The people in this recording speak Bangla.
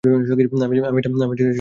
আমি এটা সারাদিনই করতে পারব।